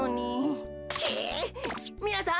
みなさん